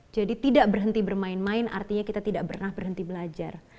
jadi tidak berhenti bermain main artinya kita tidak pernah berhenti belajar